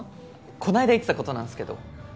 この間言ってた事なんすけど。